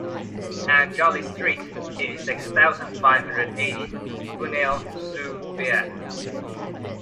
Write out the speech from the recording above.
Anne Jolly street, eighty-six thousand five hundred eighty Vouneuil-sous-Biard